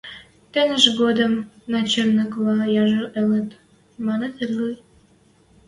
Тенеш годым начальныквлӓ яжо ылыт, маныт ыльы...